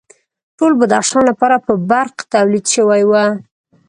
ټول بدخشان لپاره به برق تولید شوی و